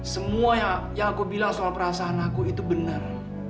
semua yang aku bilang soal perasaan aku itu benar